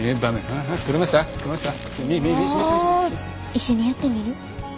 一緒にやってみる？